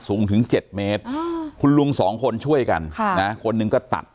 สูงถึง๗เมตรคุณลุงสองคนช่วยกันคนหนึ่งก็ตัด